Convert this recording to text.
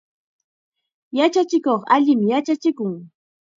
Yachachikuqqa allim yachachikun.